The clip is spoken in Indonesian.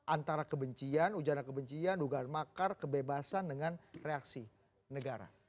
antara kebencian ujaran kebencian dugaan makar kebebasan dengan reaksi negara